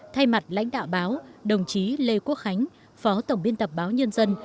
thay mặt lãnh đạo báo đồng chí lê quốc khánh phó tổng biên tập báo nhân dân